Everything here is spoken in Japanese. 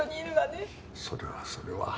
それはそれは。